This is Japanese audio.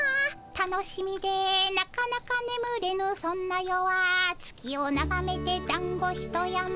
『楽しみでなかなかねむれぬそんな夜は月をながめてだんごひと山』」。